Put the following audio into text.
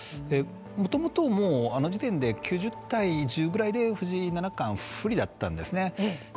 もともと、もうあの時点で９０対１０ぐらいで藤井七冠、不利だったんですね。